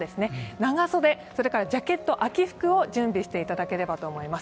長袖、それからジャケット、秋服を準備していただければと思います。